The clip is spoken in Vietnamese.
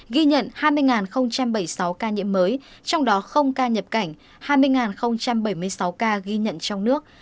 ghi nhận hai mươi bảy mươi sáu ca nhiễm mới trong đó ca nhập cảnh hai mươi bảy mươi sáu ca ghi nhận trong nước